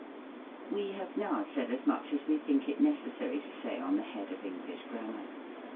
139 We have now said as much as we think it necessary to say on the head of English Grammar.